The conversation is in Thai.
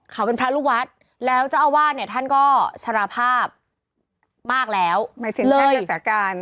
เขาเป็นพระลูกวัดแล้วเจ้าอาวาสเนี่ยท่านก็ชราภาพมากแล้วหมายถึงท่านศึกษาการ